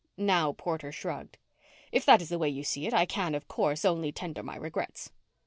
Now Porter shrugged. "If that is the way you see it, I can, of course, only tender my regrets."